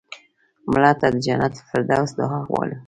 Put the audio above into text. مړه ته د جنت الفردوس دعا غواړو